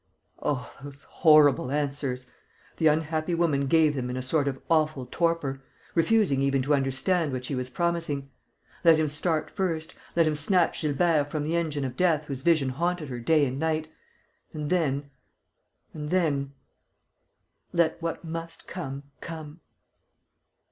Oh, those horrible answers! The unhappy woman gave them in a sort of awful torpor, refusing even to understand what she was promising. Let him start first, let him snatch Gilbert from the engine of death whose vision haunted her day and night.... And then ... and then ... let what must come come....